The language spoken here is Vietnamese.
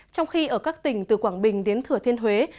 trong khi ở các tỉnh từ quảng bình đến thừa thiên huế